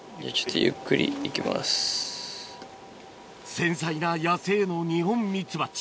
繊細な野生のニホンミツバチ